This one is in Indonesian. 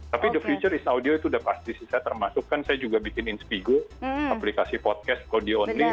tapi the future is audio itu udah pasti sih saya termasuk kan saya juga bikin inspigo aplikasi podcast audio only